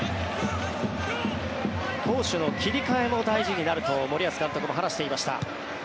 攻守の切り替えも大事になると森保監督も話していました。